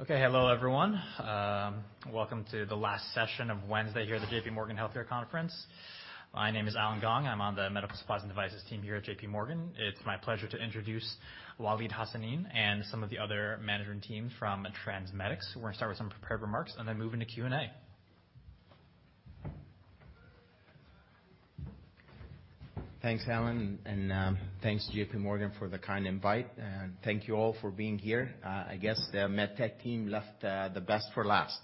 Okay. Hello, everyone. Welcome to the last session of Wednesday here at the J.P. Morgan Healthcare Conference. My name is Allen Gong. I'm on the Medical Supplies and Devices team here at J.P. Morgan. It's my pleasure to introduce Waleed Hassanein and some of the other management team from TransMedics. We're gonna start with some prepared remarks and then move into Q&A. Thanks, Allen, thanks, J.P. Morgan, for the kind invite, thank you all for being here. I guess the MedTech team left the best for last.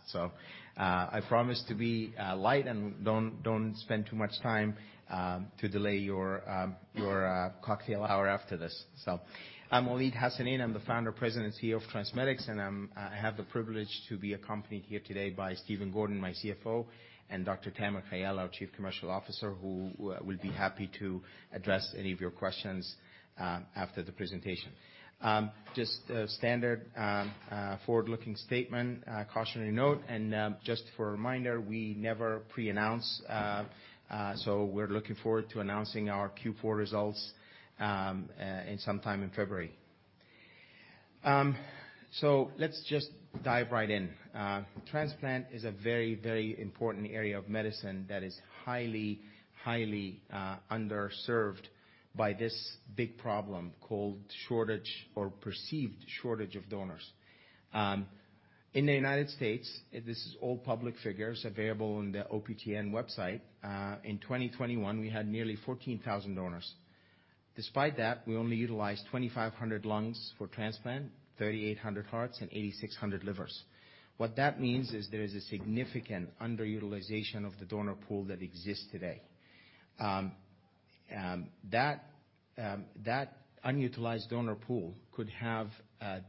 I promise to be light and don't spend too much time to delay your your cocktail hour after this. I'm Waleed Hassanein, I'm the Founder, President, and CEO of TransMedics, I have the privilege to be accompanied here today by Stephen Gordon, my CFO, and Dr. Tamer Khayal, our Chief Commercial Officer, who will be happy to address any of your questions after the presentation. Just a standard forward-looking statement cautionary note. Just for a reminder, we never preannounce, we're looking forward to announcing our Q4 results in sometime in February. Let's just dive right in. Transplant is a very, very important area of medicine that is highly underserved by this big problem called shortage or perceived shortage of donors. In the United States, this is all public figures available on the OPTN website. In 2021, we had nearly 14,000 donors. Despite that, we only utilized 2,500 lungs for transplant, 3,800 hearts, and 8,600 livers. What that means is there is a significant underutilization of the donor pool that exists today. That unutilized donor pool could have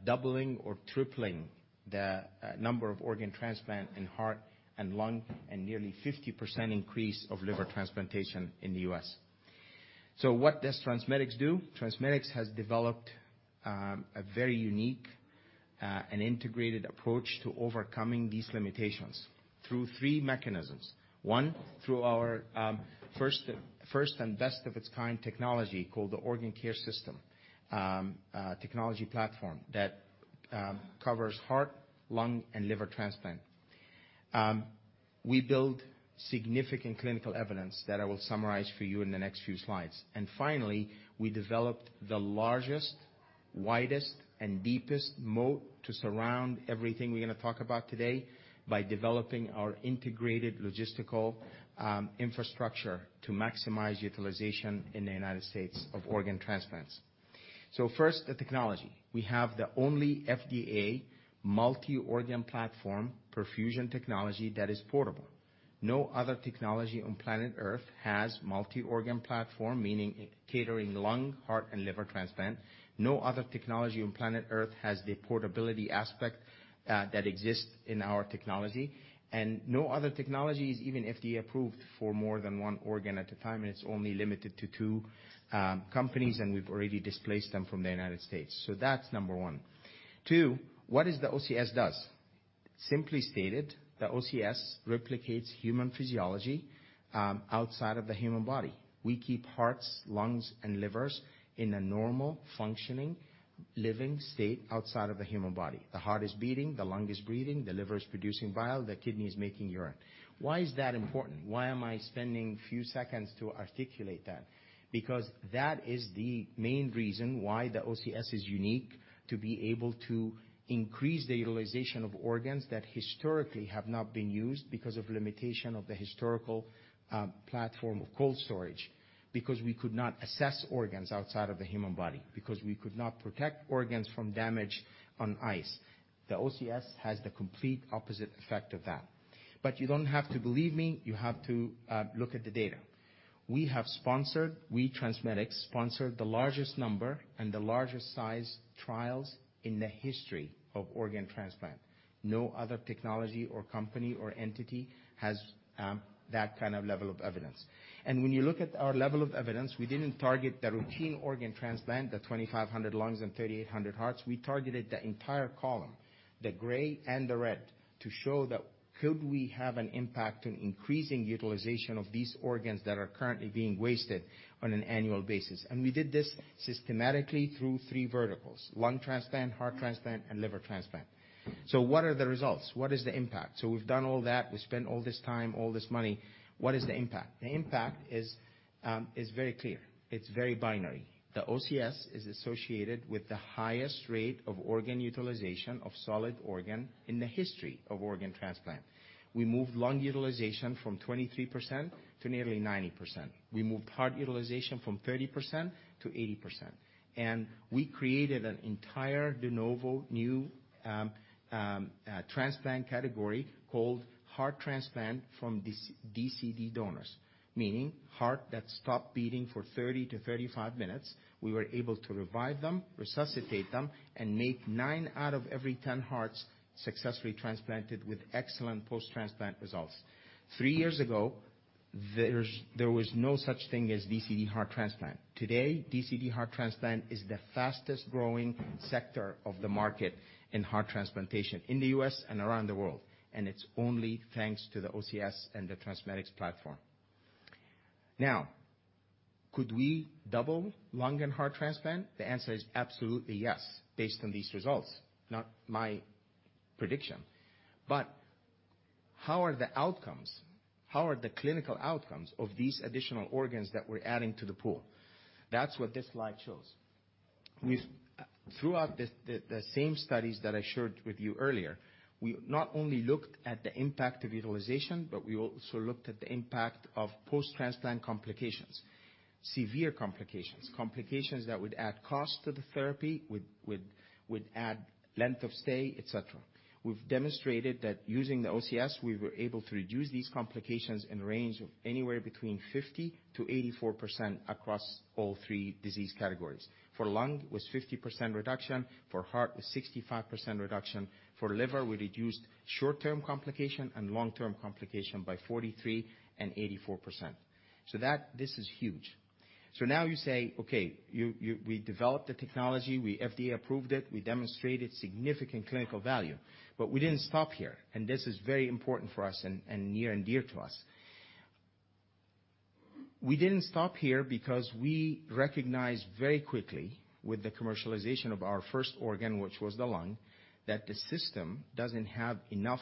doubling or tripling the number of organ transplant in heart and lung, and nearly 50% increase of liver transplantation in the US. What does TransMedics do? TransMedics has developed a very unique and integrated approach to overcoming these limitations through three mechanisms. One, through our first and best of its kind technology called the Organ Care System, technology platform that covers heart, lung, and liver transplant. We build significant clinical evidence that I will summarize for you in the next few slides. Finally, we developed the largest, widest, and deepest moat to surround everything we're gonna talk about today by developing our integrated logistical infrastructure to maximize utilization in the United States of organ transplants. First, the technology. We have the only FDA multi-organ platform perfusion technology that is portable. No other technology on planet Earth has multi-organ platform, meaning catering lung, heart, and liver transplant. No other technology on planet Earth has the portability aspect that exists in our technology. No other technology is even FDA approved for more than one organ at a time, and it's only limited to two companies, and we've already displaced them from the United States. That's number one. Two, what is the OCS does? Simply stated, the OCS replicates human physiology outside of the human body. We keep hearts, lungs, and livers in a normal, functioning, living state outside of the human body. The heart is beating, the lung is breathing, the liver is producing bile, the kidney is making urine. Why is that important? Why am I spending a few seconds to articulate that? That is the main reason why the OCS is unique to be able to increase the utilization of organs that historically have not been used because of limitation of the historical platform of cold storage, because we could not assess organs outside of the human body, because we could not protect organs from damage on ice. The OCS has the complete opposite effect of that. You don't have to believe me, you have to look at the data. We have sponsored, we TransMedics sponsored the largest number and the largest size trials in the history of organ transplant. No other technology or company or entity has that kind of level of evidence. When you look at our level of evidence, we didn't target the routine organ transplant, the 2,500 lungs and 3,800 hearts. We targeted the entire column, the gray and the red, to show that could we have an impact in increasing utilization of these organs that are currently being wasted on an annual basis. We did this systematically through 3 verticals: lung transplant, heart transplant, and liver transplant. What are the results? What is the impact? We've done all that. We spent all this time, all this money. What is the impact? The impact is very clear. It's very binary. The OCS is associated with the highest rate of organ utilization of solid organ in the history of organ transplant. We moved lung utilization from 23% to nearly 90%. We moved heart utilization from 30%-80%. We created an entire de novo new transplant category called heart transplant from DCD donors, meaning heart that stopped beating for 30-35 minutes. We were able to revive them, resuscitate them, and make nine out of every 10 hearts successfully transplanted with excellent post-transplant results. 3 years ago, there was no such thing as DCD heart transplant. Today, DCD heart transplant is the fastest-growing sector of the market in heart transplantation in the U.S. and around the world, and it's only thanks to the OCS and the TransMedics platform. Could we double lung and heart transplant? The answer is absolutely yes, based on these results, not my prediction. How are the outcomes? How are the clinical outcomes of these additional organs that we're adding to the pool? That's what this slide shows. We throughout the same studies that I shared with you earlier, we not only looked at the impact of utilization, but we also looked at the impact of post-transplant complications, severe complications that would add cost to the therapy, would add length of stay, et cetera. We've demonstrated that using the OCS, we were able to reduce these complications in range of anywhere between 50%-84% across all three disease categories. For lung, it was 50% reduction, for heart it was 65% reduction, for liver, we reduced short-term complication and long-term complication by 43% and 84%. That... This is huge. Now you say, "Okay, you... We developed the technology. FDA approved it, we demonstrated significant clinical value, we didn't stop here," and this is very important for us and near and dear to us. We didn't stop here because we recognized very quickly with the commercialization of our first organ, which was the lung, that the system doesn't have enough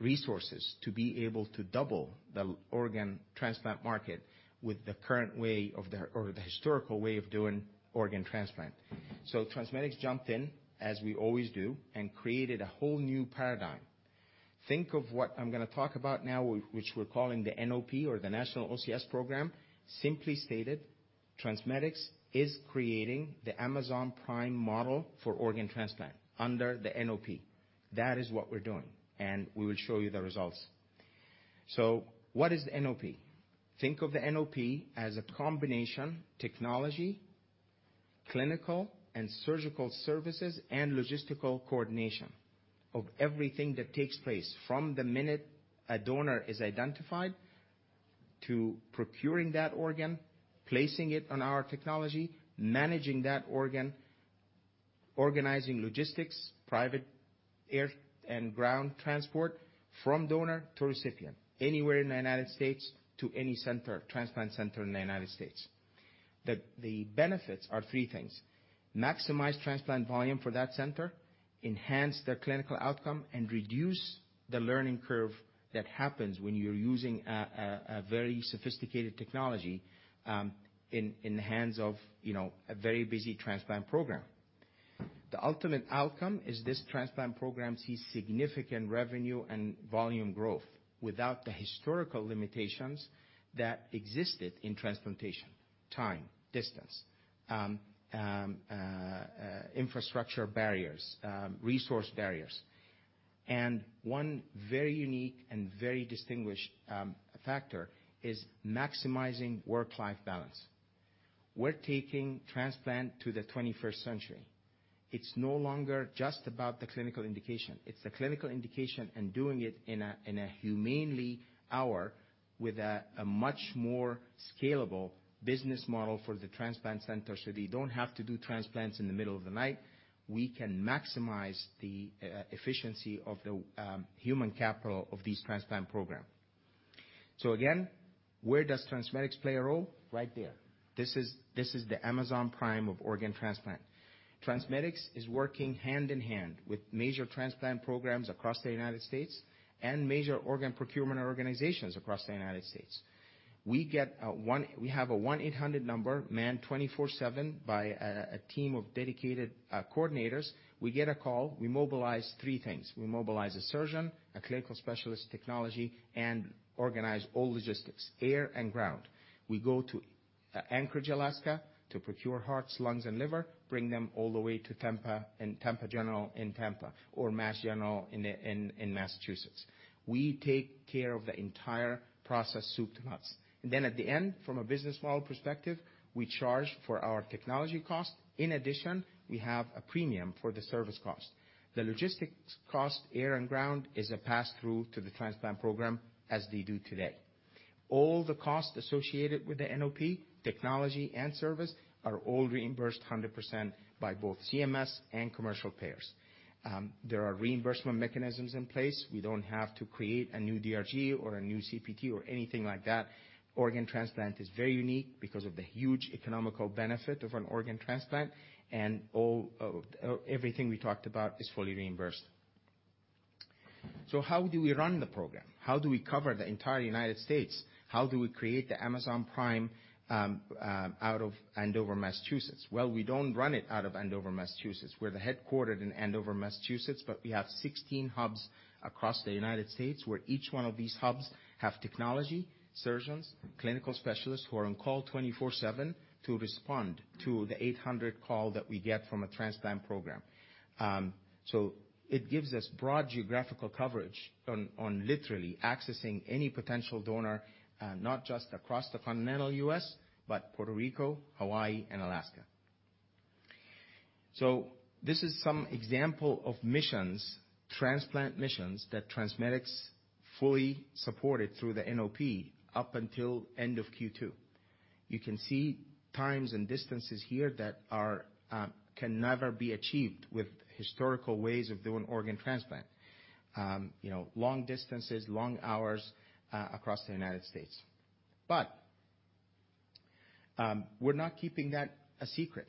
resources to be able to double the organ transplant market with the current way or the historical way of doing organ transplant. TransMedics jumped in, as we always do, and created a whole new paradigm. Think of what I'm gonna talk about now, which we're calling the NOP or the National OCS Program, simply stated, TransMedics is creating the Amazon Prime model for organ transplant under the NOP. That is what we're doing, we will show you the results. What is the NOP? Think of the NOP as a combination technology, clinical and surgical services, and logistical coordination of everything that takes place from the minute a donor is identified to procuring that organ, placing it on our technology, managing that organ, organizing logistics, private air and ground transport from donor to recipient, anywhere in the United States to any center, transplant center in the United States. The benefits are three things: maximize transplant volume for that center, enhance their clinical outcome, and reduce the learning curve that happens when you're using a very sophisticated technology, in the hands of, you know, a very busy transplant program. The ultimate outcome is this transplant program sees significant revenue and volume growth without the historical limitations that existed in transplantation: time, distance, infrastructure barriers, resource barriers. One very unique and very distinguished factor is maximizing work-life balance. We're taking transplant to the 21st century. It's no longer just about the clinical indication. It's the clinical indication and doing it in a humanely hour with a much more scalable business model for the transplant center, so they don't have to do transplants in the middle of the night. We can maximize the efficiency of the human capital of this transplant program. Again, where does TransMedics play a role? Right there. This is the Amazon Prime of organ transplant. TransMedics is working hand-in-hand with major transplant programs across the United States and major organ procurement organizations across the United States. We have a 1-800 number manned twenty-four/seven by a team of dedicated coordinators. We get a call, we mobilize three things. We mobilize a surgeon, a clinical specialist technology, and organize all logistics, air and ground. We go to Anchorage, Alaska, to procure hearts, lungs, and liver, bring them all the way to Tampa in Tampa General Hospital in Tampa or Massachusetts General Hospital in Massachusetts. We take care of the entire process, soup to nuts. At the end, from a business model perspective, we charge for our technology cost. In addition, we have a premium for the service cost. The logistics cost, air and ground, is a pass-through to the transplant program, as they do today. All the costs associated with the NOP, technology and service, are all reimbursed 100% by both CMS and commercial payers. There are reimbursement mechanisms in place. We don't have to create a new DRG or a new CPT or anything like that. Organ transplant is very unique because of the huge economical benefit of an organ transplant and all, everything we talked about is fully reimbursed. How do we run the program? How do we cover the entire United States? How do we create the Amazon Prime out of Andover, Massachusetts? We don't run it out of Andover, Massachusetts. We're headquartered in Andover, Massachusetts, we have 16 hubs across the United States, where each one of these hubs have technology, surgeons, clinical specialists who are on call 24/7 to respond to the 800 call that we get from a transplant program. It gives us broad geographical coverage on literally accessing any potential donor, not just across the continental U.S., Puerto Rico, Hawaii, and Alaska. This is some example of missions, transplant missions that TransMedics fully supported through the NOP up until end of Q2. You can see times and distances here that are can never be achieved with historical ways of doing organ transplant. You know, long distances, long hours, across the United States. We're not keeping that a secret.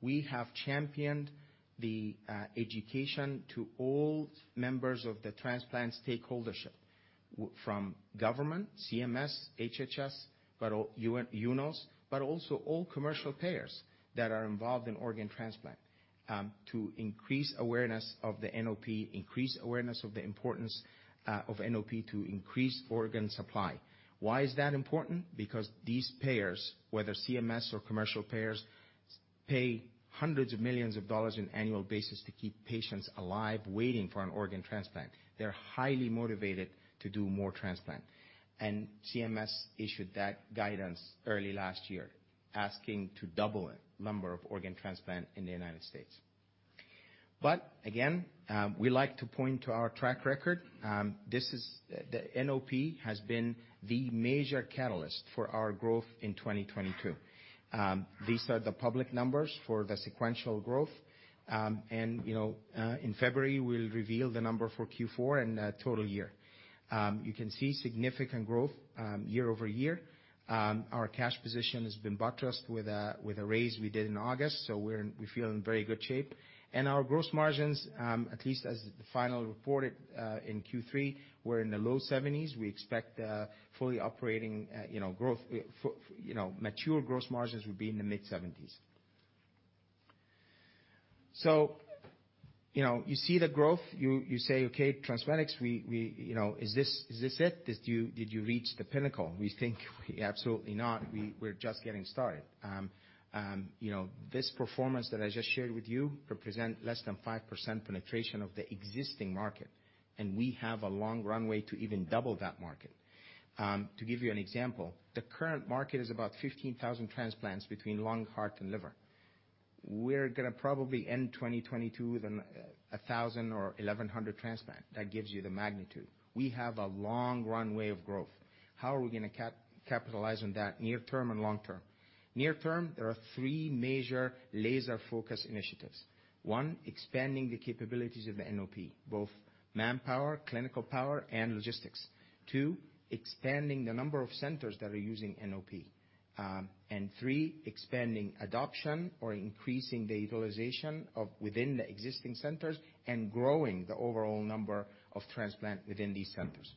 We have championed the education to all members of the transplant stakeholdership. from government, CMS, HHS, UNOS, but also all commercial payers that are involved in organ transplant, to increase awareness of the NOP, increase awareness of the importance of NOP to increase organ supply. Why is that important? Because these payers, whether CMS or commercial payers, pay hundreds of millions of dollars in annual basis to keep patients alive, waiting for an organ transplant. They're highly motivated to do more transplants. CMS issued that guidance early 2022, asking to double it, number of organ transplants in the United States. Again, we like to point to our track record. The NOP has been the major catalyst for our growth in 2022. These are the public numbers for the sequential growth. You know, in February, we'll reveal the number for Q4 and the total year. You can see significant growth year-over-year. Our cash position has been buttressed with a raise we did in August, so we feel in very good shape. Our gross margins, at least as the final reported in Q3, were in the low 70s. We expect the fully operating, you know, growth. Mature gross margins will be in the mid-70s. You know, you see the growth. You say, "Okay, TransMedics, we, you know, is this it? Did you reach the pinnacle?" We think absolutely not. We're just getting started. You know, this performance that I just shared with you represent less than 5% penetration of the existing market, and we have a long runway to even double that market. To give you an example, the current market is about 15,000 transplants between lung, heart, and liver. We're gonna probably end 2022 with an 1,000 or 1,100 transplant. That gives you the magnitude. We have a long runway of growth. How are we gonna capitalize on that near term and long term? Near term, there are three major laser-focused initiatives. 1, expanding the capabilities of the NOP, both manpower, clinical power, and logistics. 2, expanding the number of centers that are using NOP. 3, expanding adoption or increasing the utilization of within the existing centers and growing the overall number of transplant within these centers.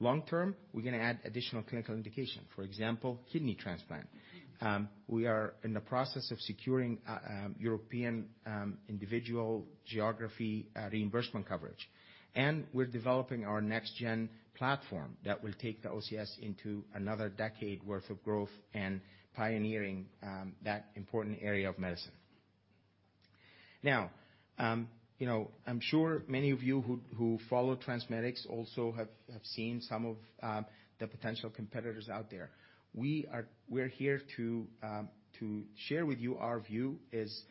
Long term, we're gonna add additional clinical indication, for example, kidney transplant. We are in the process of securing European individual geography reimbursement coverage. We're developing our next-gen platform that will take the OCS into another decade worth of growth and pioneering that important area of medicine. You know, I'm sure many of you who follow TransMedics also have seen some of the potential competitors out there. We're here to share with you our view is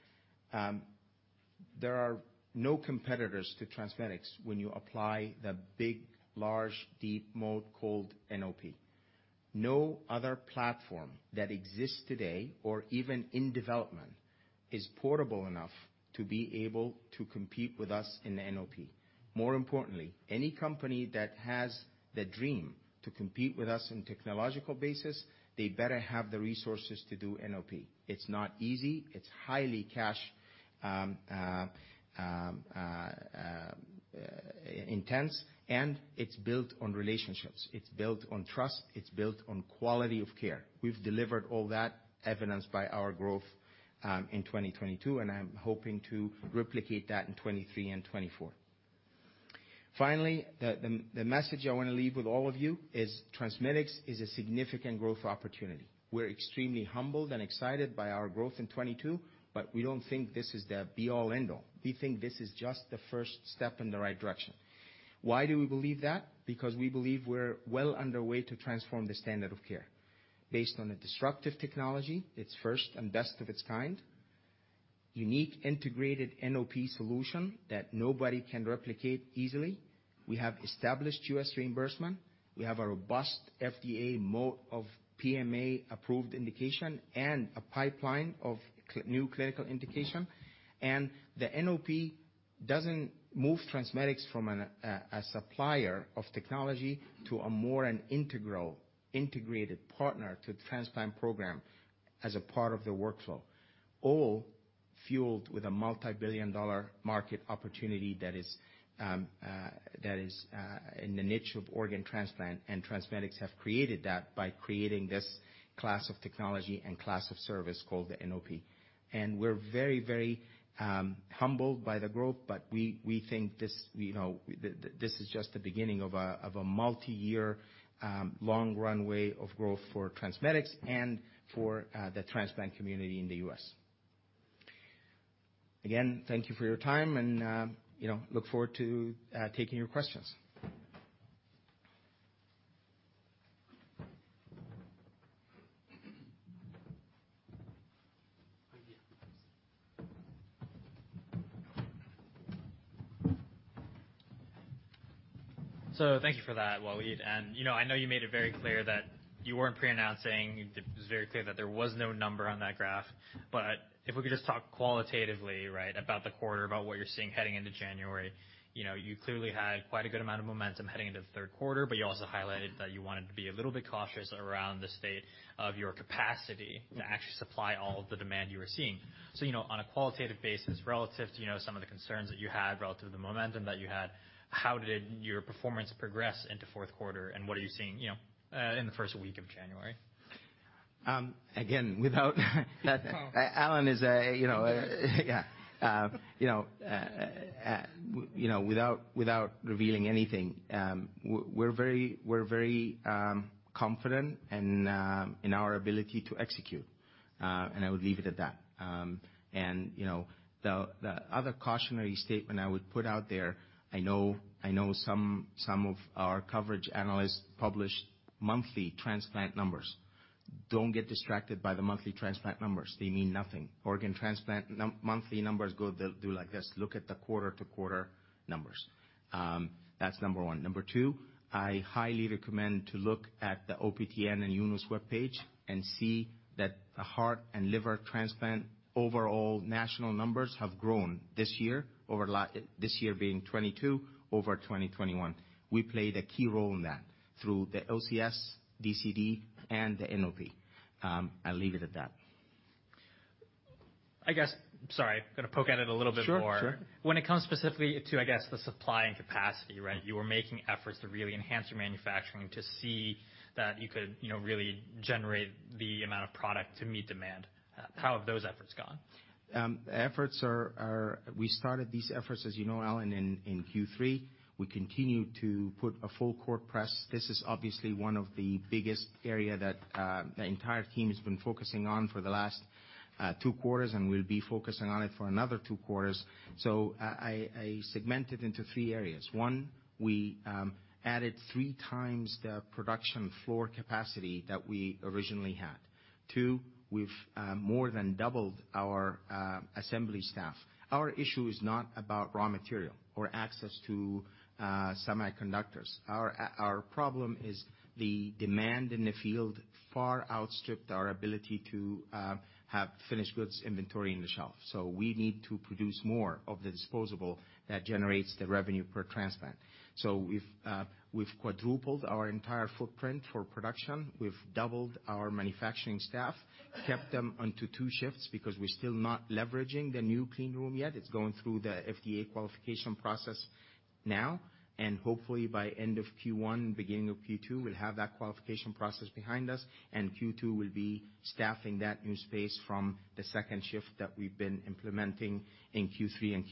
there are no competitors to TransMedics when you apply the big, large, deep mode called NOP. No other platform that exists today or even in development is portable enough to be able to compete with us in the NOP. More importantly, any company that has the dream to compete with us in technological basis, they better have the resources to do NOP. It's not easy. It's highly cash intense, and it's built on relationships. It's built on trust. It's built on quality of care. We've delivered all that, evidenced by our growth in 2022, and I'm hoping to replicate that in 2023 and 2024. Finally, the message I wanna leave with all of you is TransMedics is a significant growth opportunity. We're extremely humbled and excited by our growth in 22, but we don't think this is the be all end all. We think this is just the first step in the right direction. Why do we believe that? We believe we're well underway to transform the standard of care based on a disruptive technology. It's first and best of its kind. Unique integrated NOP solution that nobody can replicate easily. We have established U.S. reimbursement. We have a robust FDA of PMA-approved indication and a pipeline of new clinical indication. The NOP doesn't move TransMedics from a supplier of technology to a more integral, integrated partner to the transplant program as a part of the workflow, all fueled with a multibillion-dollar market opportunity that is, that is in the niche of organ transplant. TransMedics have created that by creating this class of technology and class of service called the NOP. We're very humbled by the growth, but we think this, you know, this is just the beginning of a multiyear, long runway of growth for TransMedics and for the transplant community in the U.S. Thank you for your time and, you know, look forward to taking your questions. Thank you for that, Waleed. You know, I know you made it very clear that you weren't pre-announcing. It was very clear that there was no number on that graph. If we could just talk qualitatively, right, about the quarter, about what you're seeing heading into January. You know, you clearly had quite a good amount of momentum heading into the third quarter, but you also highlighted that you wanted to be a little bit cautious around the state of your capacity to actually supply all the demand you were seeing. You know, on a qualitative basis, relative to, you know, some of the concerns that you had relative to the momentum that you had, how did your performance progress into fourth quarter, and what are you seeing, you know, in the first week of January? Again, without Allen is a, you know. You know, without revealing anything, we're very confident in our ability to execute. I would leave it at that. You know, the other cautionary statement I would put out there, I know some of our coverage analysts publish monthly transplant numbers. Don't get distracted by the monthly transplant numbers. They mean nothing. Organ transplant monthly numbers they'll do like this. Look at the quarter-to-quarter numbers. That's number one. Number two, I highly recommend to look at the OPTN and UNOS webpage and see that the heart and liver transplant overall national numbers have grown this year over this year being 2022 over 2021. We played a key role in that through the OCS, DCD, and the NOP. I'll leave it at that. I guess... Sorry, gonna poke at it a little bit more. Sure. Sure. When it comes specifically to, I guess, the supply and capacity, right? You were making efforts to really enhance your manufacturing to see that you could, you know, really generate the amount of product to meet demand. How have those efforts gone? We started these efforts, as you know, Allen Gong, in Q3. We continue to put a full court press. This is obviously one of the biggest area that the entire team has been focusing on for the last two quarters, and we'll be focusing on it for another two quarters. I segment it into three areas. One, we added three times the production floor capacity that we originally had. Two, we've more than doubled our assembly staff. Our issue is not about raw material or access to semiconductors. Our problem is the demand in the field far outstripped our ability to have finished goods inventory in the shelf. We need to produce more of the disposable that generates the revenue per transplant. We've quadrupled our entire footprint for production. We've doubled our manufacturing staff, kept them onto two shifts because we're still not leveraging the new clean room yet. It's going through the FDA qualification process now. Hopefully by end of Q1, beginning of Q2, we'll have that qualification process behind us, and Q2 will be staffing that new space from the second shift that we've been implementing in Q3 and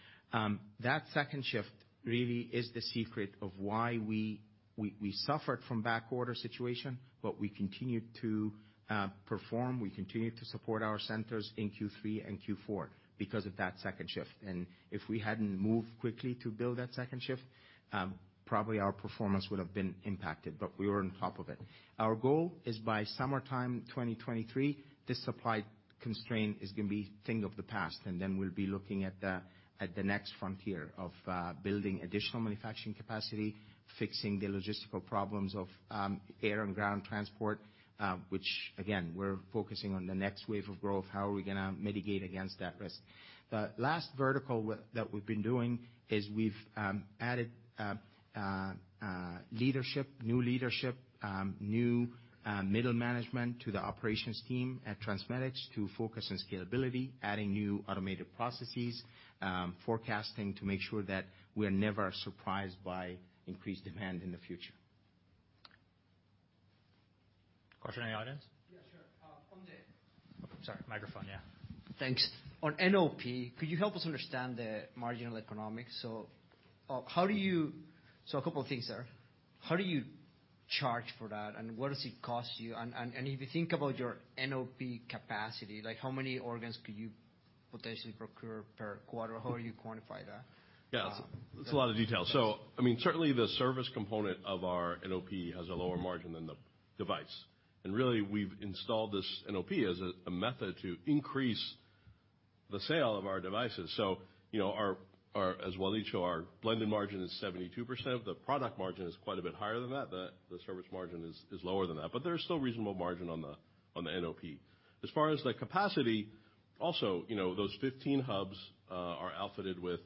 Q4. That second shift really is the secret of why we suffered from back order situation, but we continued to perform, we continued to support our centers in Q3 and Q4 because of that second shift. If we hadn't moved quickly to build that second shift, probably our performance would have been impacted, but we were on top of it. Our goal is by summertime 2023, this supply constraint is gonna be thing of the past, and then we'll be looking at the, at the next frontier of building additional manufacturing capacity, fixing the logistical problems of air and ground transport, which again, we're focusing on the next wave of growth, how are we gonna mitigate against that risk. The last vertical that we've been doing is we've added leadership, new leadership, new middle management to the operations team at TransMedics to focus on scalability, adding new automated processes, forecasting to make sure that we are never surprised by increased demand in the future. Question in the audience? Yeah, sure. Sorry. Microphone, yeah. Thanks. On NOP, could you help us understand the marginal economics? A couple of things there. How do you charge for that, and what does it cost you? If you think about your NOP capacity, like how many organs could you potentially procure per quarter? How do you quantify that? Yeah. It's a lot of detail. I mean, certainly the service component of our NOP has a lower margin than the device. Really, we've installed this NOP as a method to increase the sale of our devices. You know, as Waleed showed, our blended margin is 72%. The product margin is quite a bit higher than that. The service margin is lower than that. There's still reasonable margin on the NOP. As far as the capacity, also, you know, those 15 hubs are outfitted with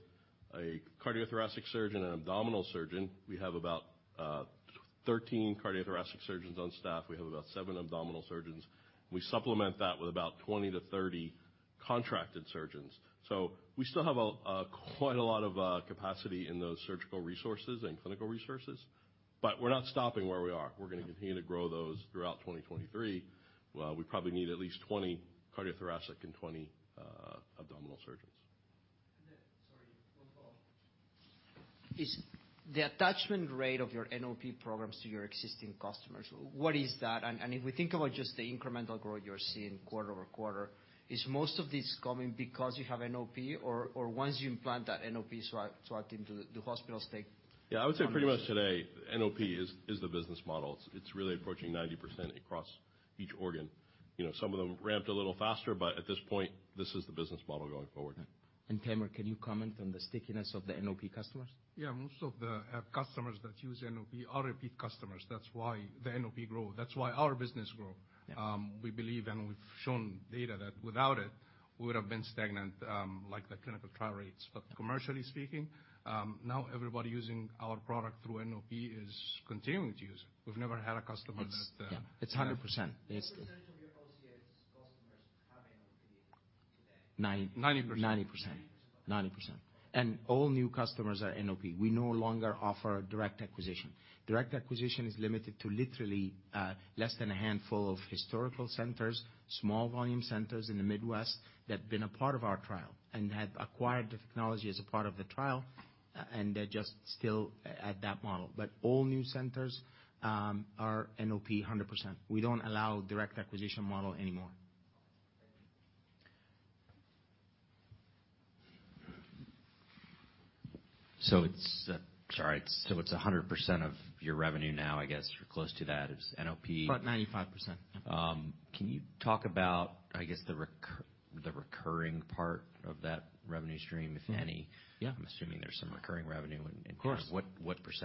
a cardiothoracic surgeon and abdominal surgeon. We have about 13 cardiothoracic surgeons on staff. We have about seven abdominal surgeons. We supplement that with about 20 to 30 contracted surgeons. We still have quite a lot of capacity in those surgical resources and clinical resources, but we're not stopping where we are. We're gonna continue to grow those throughout 2023. We probably need at least 20 cardiothoracic and 20 abdominal surgeons. Is the attachment rate of your NOP programs to your existing customers, what is that? If we think about just the incremental growth you're seeing quarter-over-quarter, is most of this coming because you have NOP or once you implant that NOP, I think the hospitals take- Yeah, I would say pretty much today, NOP is the business model. It's really approaching 90% across each organ. You know, some of them ramped a little faster, but at this point, this is the business model going forward. Tamer, can you comment on the stickiness of the NOP customers? Yeah, most of the customers that use NOP are repeat customers. That's why the NOP grow. That's why our business grow. We believe, and we've shown data that without it, we would have been stagnant, like the clinical trial rates. Commercially speaking, now everybody using our product through NOP is continuing to use it. We've never had a customer that. It's, yeah, it's 100%, basically. What % of your OCS customers have NOP today? Ninety. 90%. 90%. All new customers are NOP. We no longer offer direct acquisition. Direct acquisition is limited to literally, less than a handful of historical centers, small volume centers in the Midwest that have been a part of our trial and had acquired the technology as a part of the trial, and they're just still at that model. All new centers are NOP 100%. We don't allow direct acquisition model anymore. Okay. It's 100% of your revenue now, I guess, or close to that is NOP. About 95%. Yeah. Can you talk about, I guess, the recurring part of that revenue stream, if any? Yeah. I'm assuming there's some recurring revenue in current. Of course. What %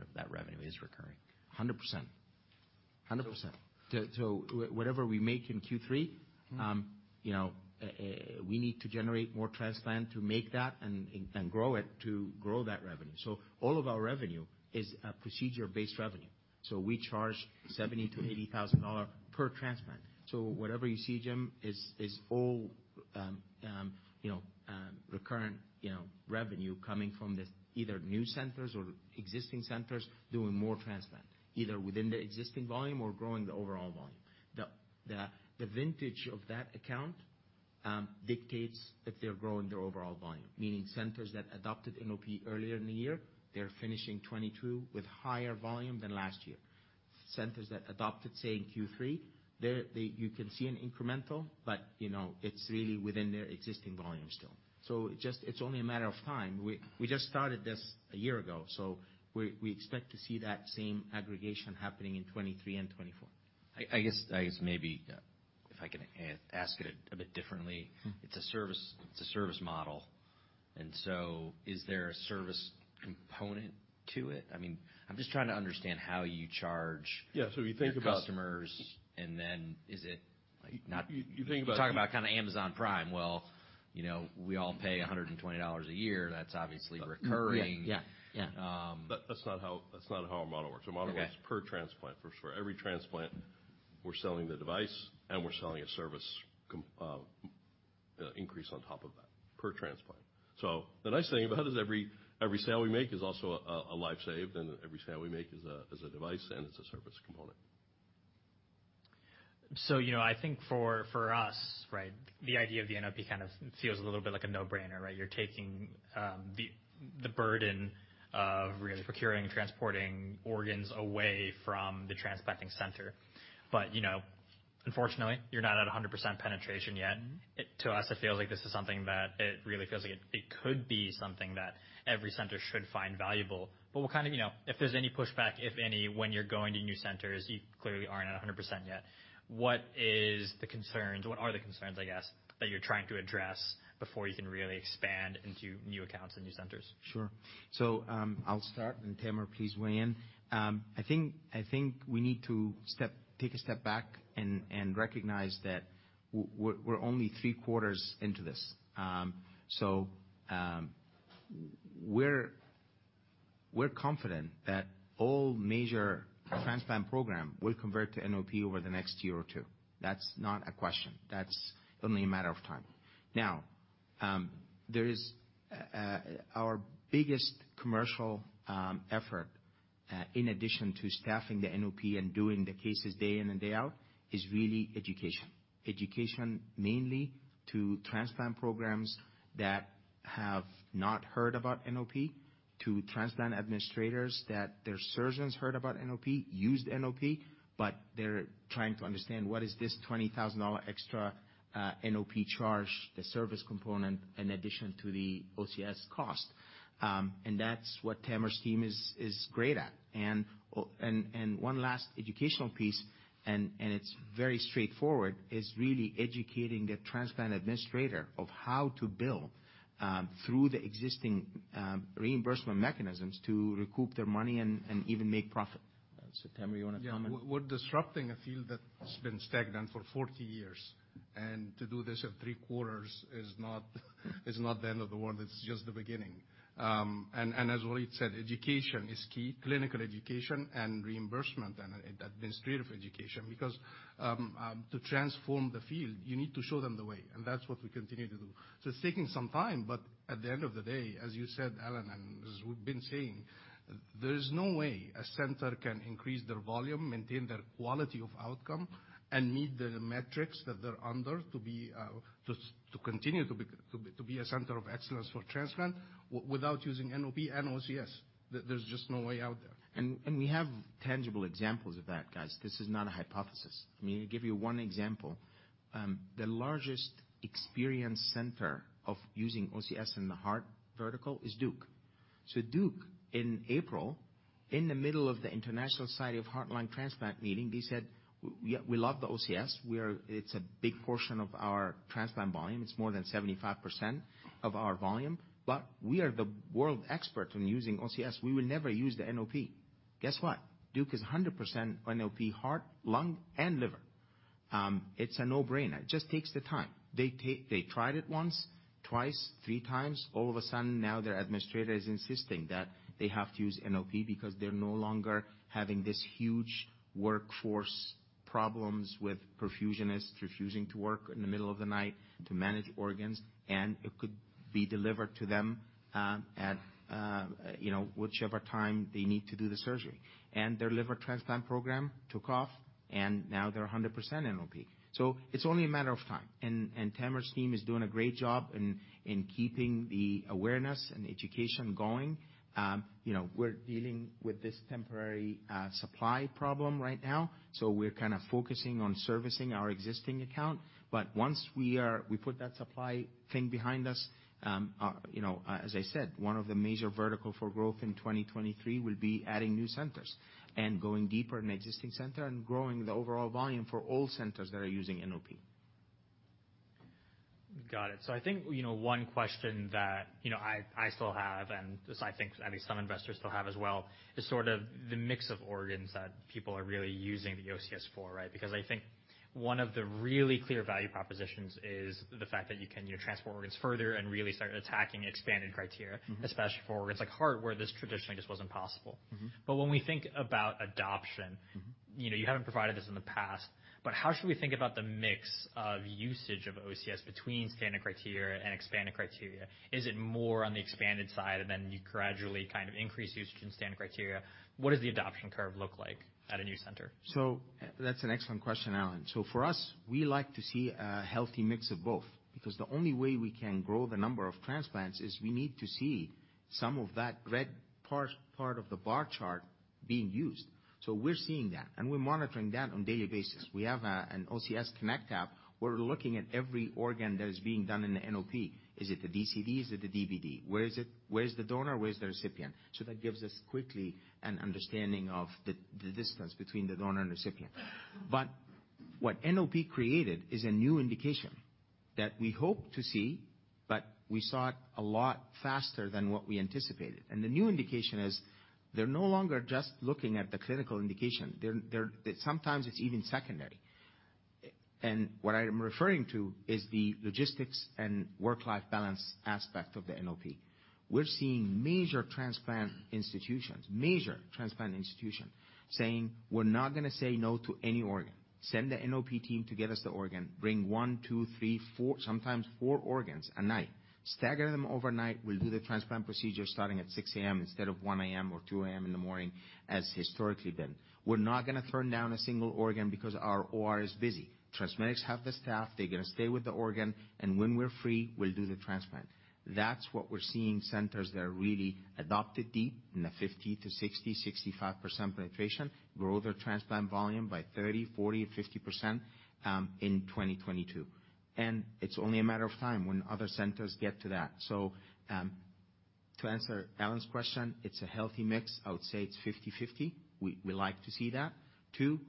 of that revenue is recurring? Hundred percent. Hundred percent. Whatever we make in Q3, you know, we need to generate more transplant to make that and grow it to grow that revenue. All of our revenue is procedure-based revenue. We charge $70,000-$80,000 per transplant. Whatever you see, Jim, is all, you know, recurrent, you know, revenue coming from this, either new centers or existing centers doing more transplant, either within the existing volume or growing the overall volume. The vintage of that account dictates if they're growing their overall volume. Centers that adopted NOP earlier in the year, they're finishing 2022 with higher volume than last year. Centers that adopted, say, in Q3, You can see an incremental, but, you know, it's really within their existing volume still. just, it's only a matter of time. We just started this a year ago, so we expect to see that same aggregation happening in 2023 and 2024. I guess maybe, if I can ask it a bit differently. It's a service, it's a service model, and so is there a service component to it? I mean, I'm just trying to understand how you charge-. Yeah. We think about. -your customers, and then is it like not- You think about. We're talking about kinda Amazon Prime. Well, you know, we all pay $120 a year. That's obviously recurring. Yeah, yeah. That's not how our model works. Okay. Our model is per transplant. For every transplant, we're selling the device and we're selling a service increase on top of that per transplant. The nice thing about it is every sale we make is also a live save, and every sale we make is a device and it's a service component. You know, I think for us, right? The idea of the NOP kind of feels a little bit like a no-brainer, right? You're taking the burden of really procuring and transporting organs away from the transplanting center. You know, unfortunately, you're not at 100% penetration yet. To us, it really feels like it could be something that every center should find valuable. You know, if there's any pushback, if any, when you're going to new centers, you clearly aren't at 100% yet. What is the concerns? What are the concerns, I guess, that you're trying to address before you can really expand into new accounts and new centers? Sure. I'll start, and Tamer, please weigh in. I think we need to take a step back and recognize that we're only three quarters into this. We're confident that all major transplant program will convert to NOP over the next year or two. That's not a question. That's only a matter of time. There is our biggest commercial effort, in addition to staffing the NOP and doing the cases day in and day out, is really education. Education mainly to transplant programs that have not heard about NOP, to transplant administrators that their surgeons heard about NOP, used NOP, but they're trying to understand what is this $20,000 extra NOP charge, the service component, in addition to the OCS cost. That's what Tamer's team is great at. One last educational piece, and it's very straightforward, is really educating the transplant administrator of how to bill through the existing reimbursement mechanisms to recoup their money and even make profit. Tamer, you wanna comment? Yeah. We're disrupting a field that's been stagnant for 40 years. To do this at three quarters is not the end of the world, it's just the beginning. As Waleed said, education is key, clinical education and reimbursement and administrative education, because to transform the field, you need to show them the way, and that's what we continue to do. It's taking some time, but at the end of the day, as you said, Allen, and as we've been saying, there's no way a center can increase their volume, maintain their quality of outcome, and meet the metrics that they're under to continue to be a center of excellence for transplant without using NOP and OCS. There's just no way out there. We have tangible examples of that, guys. This is not a hypothesis. I mean, to give you one example, the largest experienced center of using OCS in the heart vertical is Duke. So Duke in April, in the middle of the International Society of Heart Lung Transplant meeting, they said, "We, yeah, we love the OCS. We are. It's a big portion of our transplant volume. It's more than 75% of our volume. We are the world expert in using OCS. We will never use the NOP." Guess what? Duke is 100% NOP, heart, lung, and liver. It's a no-brainer. It just takes the time. They tried it once, twice, 3 times. All of a sudden, now their administrator is insisting that they have to use NOP because they're no longer having these huge workforce problems with perfusionist refusing to work in the middle of the night to manage organs, and it could be delivered to them, at, you know, whichever time they need to do the surgery. Their liver transplant program took off, and now they're 100% NOP. It's only a matter of time. Tamer's team is doing a great job in keeping the awareness and education going. You know, we're dealing with this temporary, supply problem right now, so we're kinda focusing on servicing our existing account. Once we are we put that supply thing behind us, you know, as I said, one of the major vertical for growth in 2023 will be adding new centers and going deeper in existing center and growing the overall volume for all centers that are using NOP. Got it. I think, you know, one question that, you know, I still have, and as I think at least some investors still have as well, is sort of the mix of organs that people are really using the OCS for, right? Because I think one of the really clear value propositions is the fact that you can, you know, transport organs further and really start attacking expanded criteria. Especially for organs like heart, where this traditionally just wasn't possible. When we think about adoption- You know, you haven't provided this in the past, but how should we think about the mix of usage of OCS between standard criteria and expanded criteria? Is it more on the expanded side, and then you gradually kind of increase usage in standard criteria? What does the adoption curve look like at a new center? That's an excellent question, Allen. For us, we like to see a healthy mix of both, because the only way we can grow the number of transplants is we need to see some of that red part of the bar chart being used. We're seeing that, and we're monitoring that on daily basis. We have an OCS Connect app. We're looking at every organ that is being done in the NOP. Is it the DCD? Is it the DBD? Where is it? Where is the donor? Where is the recipient? That gives us quickly an understanding of the distance between the donor and recipient. What NOP created is a new indication that we hope to see, but we saw it a lot faster than what we anticipated. The new indication is they're no longer just looking at the clinical indication. They're... Sometimes it's even secondary. What I'm referring to is the logistics and work-life balance aspect of the NOP. We're seeing major transplant institutions saying, "We're not gonna say no to any organ. Send the NOP team to get us the organ. Bring 1, 2, 3, 4... sometimes four organs a night. Stagger them overnight. We'll do the transplant procedure starting at 6:00 A.M. instead of 1:00 A.M. or 2:00 A.M. in the morning, as historically been. We're not gonna turn down a single organ because our OR is busy. TransMedics have the staff. They're gonna stay with the organ, and when we're free, we'll do the transplant." That's what we're seeing centers that are really adopted deep in the 50 to 60, 65% penetration grow their transplant volume by 30%, 40%, 50% in 2022. It's only a matter of time when other centers get to that. To answer Allen's question, it's a healthy mix. I would say it's 50/50. We like to see that. Two,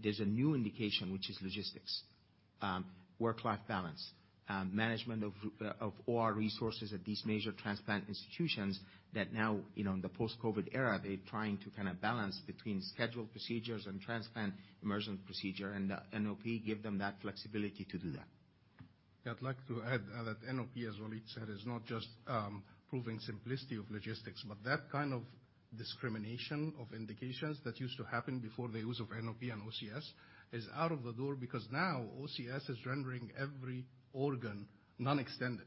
there's a new indication, which is logistics, work-life balance, management of OR resources at these major transplant institutions that now, you know, in the post-COVID era, they're trying to kinda balance between scheduled procedures and transplant emergent procedure, and the NOP give them that flexibility to do that. I'd like to add, that NOP, as Waleed said, is not just proving simplicity of logistics, but that kind of discrimination of indications that used to happen before the use of NOP and OCS is out of the door because now OCS is rendering every organ non-extended.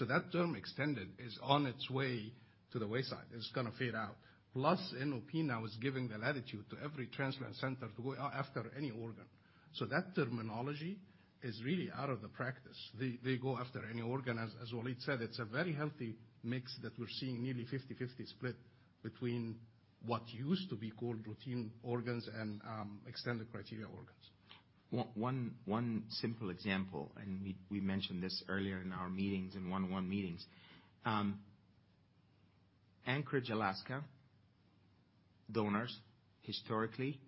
That term extended is on its way to the wayside. It's gonna fade out. Plus, NOP now is giving the latitude to every transplant center to go after any organ. That terminology is really out of the practice. They go after any organ. As Waleed said, it's a very healthy mix that we're seeing, nearly 50-50 split between what used to be called routine organs and extended criteria organs. One simple example, we mentioned this earlier in our meetings, in one-on-one meetings. Anchorage, Alaska donors historically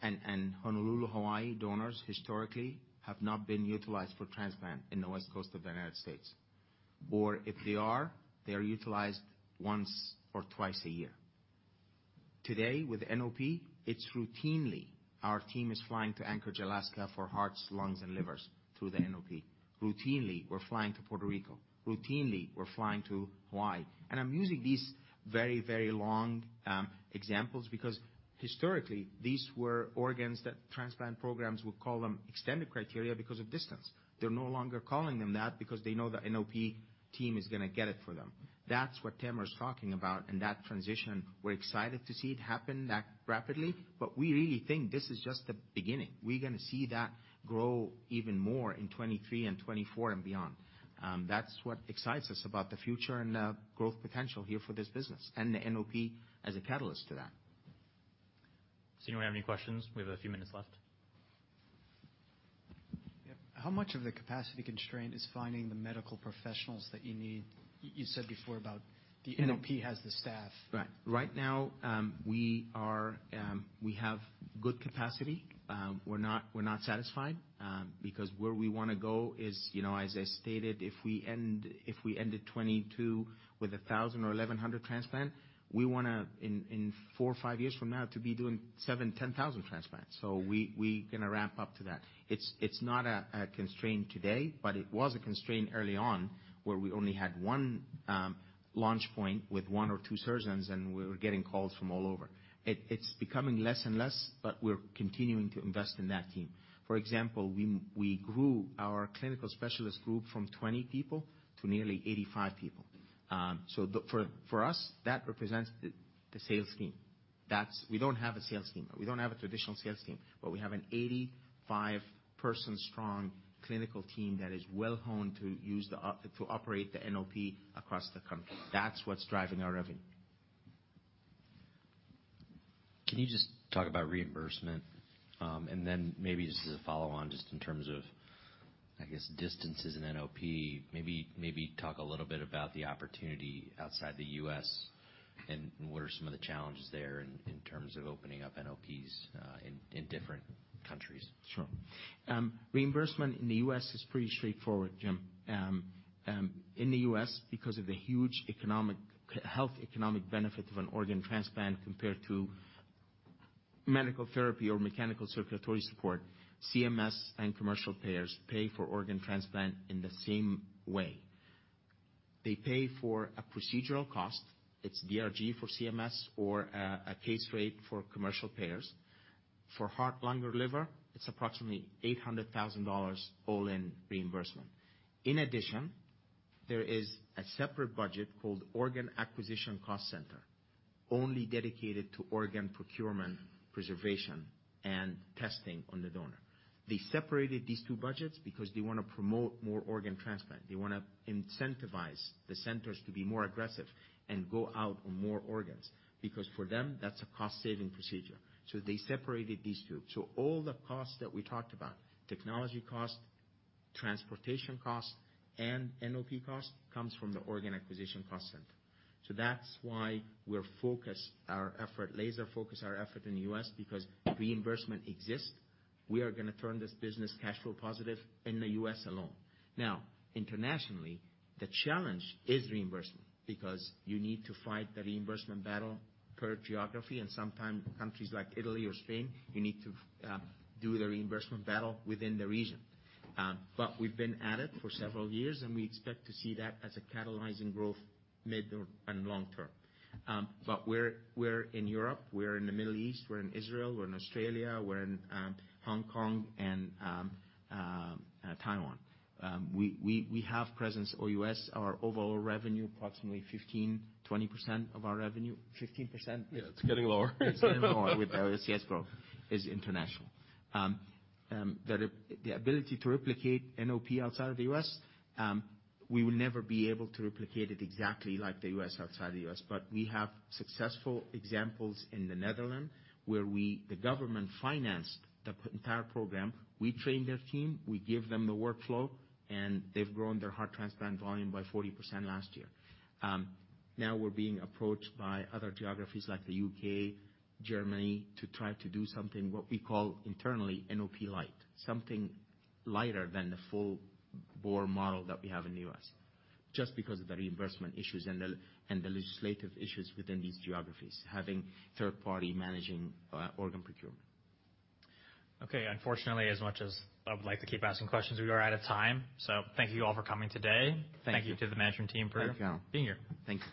and Honolulu, Hawaii donors historically have not been utilized for transplant in the West Coast of the United States. If they are, they are utilized once or twice a year. Today with NOP, it's routinely our team is flying to Anchorage, Alaska for hearts, lungs, and livers through the NOP. Routinely, we're flying to Puerto Rico. Routinely, we're flying to Hawaii. I'm using these very long examples because historically these were organs that transplant programs would call them extended criteria because of distance. They're no longer calling them that because they know the NOP team is gonna get it for them. That's what Tamer's talking about. That transition, we're excited to see it happen that rapidly, but we really think this is just the beginning. We're going to see that grow even more in 2023 and 2024 and beyond. That's what excites us about the future and the growth potential here for this business and the NOP as a catalyst to that. Does anyone have any questions? We have a few minutes left. How much of the capacity constraint is finding the medical professionals that you need? You said before about the NOP has the staff. Right. Right now, we have good capacity. We're not satisfied, because where we wanna go is, you know, as I stated, if we end at 2022 with 1,000 or 1,100 transplant, we wanna in 4 or 5 years from now to be doing 7,000-10,000 transplants. We gonna ramp up to that. It's not a constraint today, but it was a constraint early on where we only had 1 launch point with 1 or 2 surgeons, and we were getting calls from all over. It's becoming less and less, but we're continuing to invest in that team. For example, we grew our clinical specialist group from 20 people to nearly 85 people. For us, that represents the sales team. We don't have a sales team. We don't have a traditional sales team, but we have an 85 person strong clinical team that is well-honed to use to operate the NOP across the country. That's what's driving our revenue. Can you just talk about reimbursement? Maybe just as a follow on, just in terms of, I guess, distances in NOP, maybe talk a little bit about the opportunity outside the U.S. and what are some of the challenges there in terms of opening up NOPs, in different countries? Sure. Reimbursement in the U.S. is pretty straightforward, Jim. In the U.S., because of the huge health economic benefit of an organ transplant compared to medical therapy or mechanical circulatory support, CMS and commercial payers pay for organ transplant in the same way. They pay for a procedural cost. It's DRG for CMS or a case rate for commercial payers. For heart, lung or liver, it's approximately $800,000 all in reimbursement. In addition, there is a separate budget called Organ Acquisition Cost Center, only dedicated to organ procurement, preservation, and testing on the donor. They separated these two budgets because they wanna promote more organ transplant. They wanna incentivize the centers to be more aggressive and go out on more organs, because for them, that's a cost-saving procedure. They separated these two. All the costs that we talked about, technology cost, transportation cost, and NOP cost, comes from the Organ Acquisition Cost Center. That's why we're focused our effort, laser-focused our effort in the U.S. because reimbursement exists. We are gonna turn this business cash flow positive in the U.S. alone. Internationally, the challenge is reimbursement because you need to fight the reimbursement battle per geography, and sometime countries like Italy or Spain, you need to do the reimbursement battle within the region. We've been at it for several years, and we expect to see that as a catalyzing growth mid or, and long term. We're in Europe, we're in the Middle East, we're in Israel, we're in Australia, we're in Hong Kong and Taiwan. We have presence OUS, our overall revenue, approximately 15%, 20% of our revenue. 15%? Yeah. It's getting lower. It's getting lower with our OCS growth. Is international. The ability to replicate NOP outside of the U.S., we will never be able to replicate it exactly like the U.S. outside the U.S., but we have successful examples in the Netherlands where we... the government financed the entire program. We train their team, we give them the workflow, and they've grown their heart transplant volume by 40% last year. Now we're being approached by other geographies like the U.K., Germany, to try to do something, what we call internally NOP Light, something lighter than the full bore model that we have in the U.S., just because of the reimbursement issues and the, and the legislative issues within these geographies, having third-party managing organ procurement. Unfortunately, as much as I would like to keep asking questions, we are out of time. Thank you all for coming today. Thank you. Thank you to the management team for Thank you. being here. Thanks.